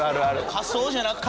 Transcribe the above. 「仮想」じゃない。